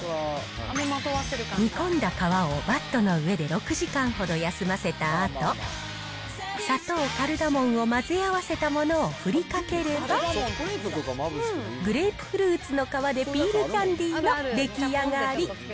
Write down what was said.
煮込んだ皮をバットの上で６時間ほど休ませたあと、砂糖、カルダモンを混ぜ合わせたものを振りかければ、グレープフルーツの皮でピールキャンディの出来上がり。